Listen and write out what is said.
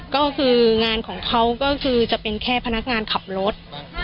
ก็คืองานของเขาก็คือจะเป็นแค่พนักงานขับรถ